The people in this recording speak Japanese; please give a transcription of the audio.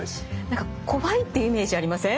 何か怖いっていうイメージありません？